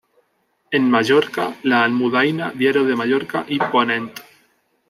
En Mallorca, "La Almudaina", "Diario de Mallorca" y "Ponent".